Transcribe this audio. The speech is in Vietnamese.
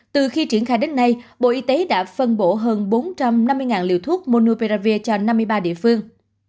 từ khi triển khai đến nay bộ y tế đã phân bổ hơn bốn trăm năm mươi liều thuốc monophravir cho năm mươi ba địa phương